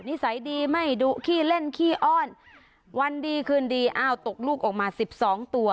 นิสัยดีไม่ดุขี้เล่นขี้อ้อนวันดีคืนดีอ้าวตกลูกออกมาสิบสองตัว